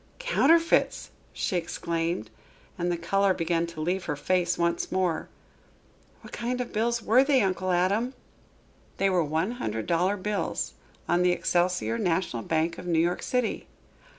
"Counterfeits!" she exclaimed, and the color began to leave her face once more. "What kind of bills were they, Uncle Adam?" "They were one hundred dollar bills, on the Excelsior National Bank of New York City."